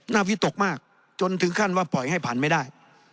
วิตกมากจนถึงขั้นว่าปล่อยให้ผ่านไม่ได้